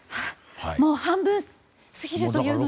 もう半分過ぎるというのに。